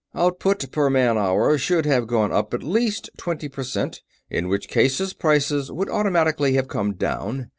"Output per man hour should have gone up at least twenty percent, in which case prices would automatically have come down.